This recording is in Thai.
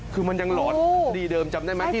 คือมันยังหลอนดีเดิมจำได้ไหม